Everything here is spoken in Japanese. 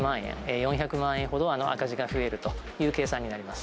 ４００万円ほど、赤字が増えるという計算になります。